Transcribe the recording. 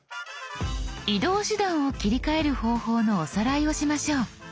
移動手段を切り替える方法のおさらいをしましょう。